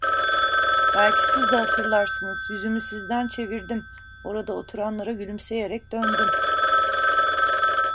Belki siz de hatırlarsınız, yüzümü sizden çevirdim, orada oturanlara gülümseyerek döndüm: